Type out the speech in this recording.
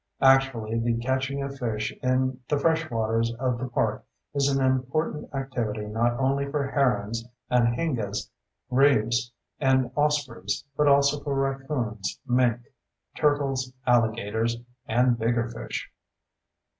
Actually, the catching of fish in the fresh waters of the park is an important activity not only for herons, anhingas, grebes, and ospreys, but also for raccoons, mink, turtles, alligators ... and bigger fish.